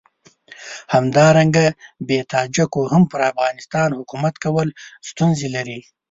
همدارنګه بې تاجکو هم پر افغانستان حکومت کول ستونزې لري.